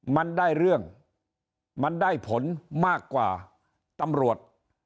มันได้เรื่องมันได้ผลมากกว่าตำรวจ